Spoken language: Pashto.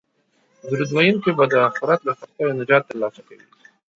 درود ویونکی به د اخرت له سختیو نجات ترلاسه کوي